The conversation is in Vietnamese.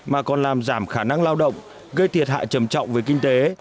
mà còn làm giảm khả năng lao động gây thiệt hại trầm trọng về kinh tế